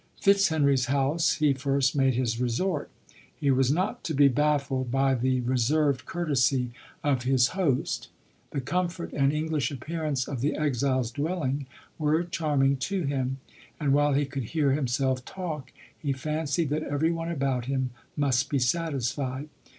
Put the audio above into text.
Fitz henry's house he first made his resort. He n 2 5'2 LODORE. not to be baffled by the reserved courtesy of his host. The comfort and English appearance of the exile's dwellir.*; were charming to him ; and while he could hear himself talk, he fancied that every one about him must be satisfied.